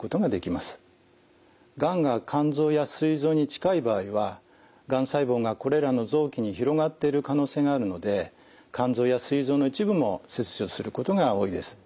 がんが肝臓やすい臓に近い場合はがん細胞がこれらの臓器に広がっている可能性があるので肝臓やすい臓の一部も切除することが多いです。